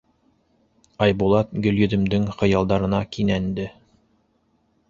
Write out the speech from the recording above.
Айбулат Гөлйөҙөмдөң хыялдарына кинәнде.